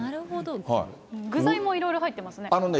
具材もいろいろ入ってますね。